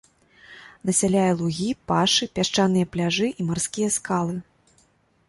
Насяляе лугі, пашы, пясчаныя пляжы і марскія скалы.